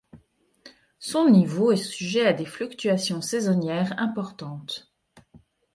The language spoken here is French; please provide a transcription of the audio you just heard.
Son niveau est sujet à des fluctuations saisonnières importantes.